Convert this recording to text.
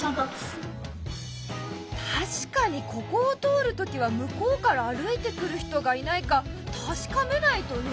確かにここを通るときは向こうから歩いてくる人がいないか確かめないとね。